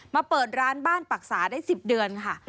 เปิดร้านบ้านปรักษาได้๑๐เดือนค่ะ